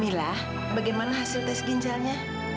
mila bagaimana hasil tes ginjalnya